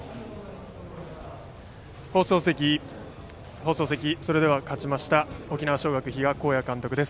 放送席、それでは勝ちました沖縄尚学、比嘉公也監督です。